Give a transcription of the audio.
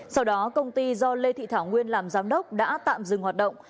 sau đó công ty do lê thị thảo nguyên làm giám đốc đã tạm dừng hoạt động